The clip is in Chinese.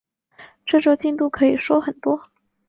这周进度可以说很多